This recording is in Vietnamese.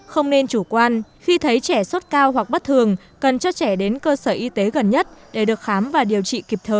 không nên chủ quan khi thấy trẻ sốt cao hoặc bất thường cần cho trẻ đến cơ sở y tế gần nhất để được khám và điều trị kịp thời